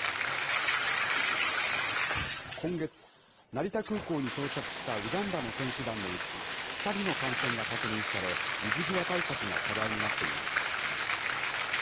今月、成田空港に到着したウガンダの選手団のうち、２人の感染が確認され、水際対策が課題になっています。